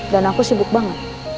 dan aku sibuk banget